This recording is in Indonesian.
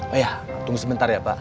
oh ya tunggu sebentar ya pak